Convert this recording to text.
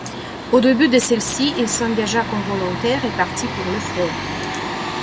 Au début de celle-ci, il s'engagea comme volontaire et partit pour le front.